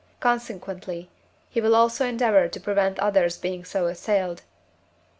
consequently, he will also endeavour to prevent others being so assailed (IV.